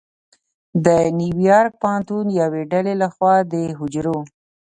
د نیویارک پوهنتون یوې ډلې لخوا د حجرو